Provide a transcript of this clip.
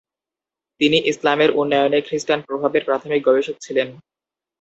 তিনি 'ইসলামের উন্নয়নে খ্রিস্টান প্রভাবের' প্রাথমিক গবেষক ছিলেন।